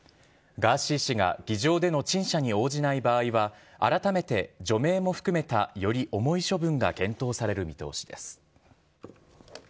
ガーシー氏が議場での陳謝に応じない場合は、改めて除名も含めたより重い処分が検討される見通しです。